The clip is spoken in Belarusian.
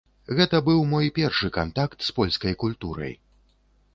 Гэта быў мой першы кантакт з полькай культурай.